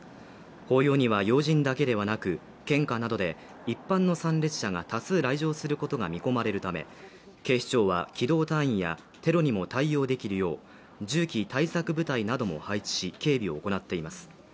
法要には要人だけではなく、献花などで一般の参列者が多数来場することが見込まれるため、警視庁は、機動隊員やテロにも対応できるよう銃器対策部隊なども配置し、警備を行っています。